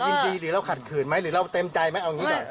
หรือเราขัดขืนไหมหรือเราเต็มใจไหมเอาอย่างนี้ก่อน